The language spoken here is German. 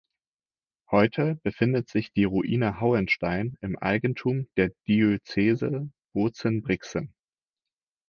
Heute befindet sich die Ruine Hauenstein im Eigentum der Diözese Bozen-Brixen.